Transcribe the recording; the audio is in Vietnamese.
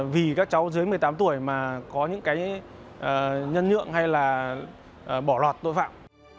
vì các cháu dưới một mươi tám tuổi mà có những cái nhân nhượng hay là bỏ lọt tội phạm